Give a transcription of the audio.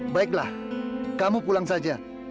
baiklah kamu pulang saja